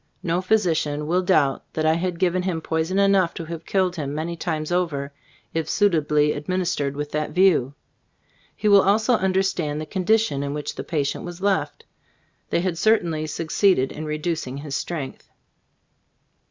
No physician will doubt that I had given him poison enough to have killed him many times over, if suitably administered with that view. He will also understand the condition in which the patient was left. They had certainly succeeded in reducing his strength.